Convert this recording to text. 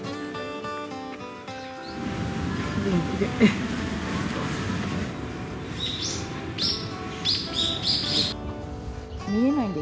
元気で。